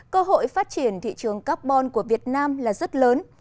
cơ hội phát triển thị trường carbon của việt nam là rất lớn